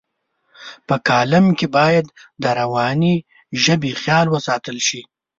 په کالم کې باید د روانې ژبې خیال وساتل شي.